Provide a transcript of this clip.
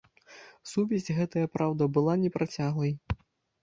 Сувязь гэтая, праўда, была непрацяглай.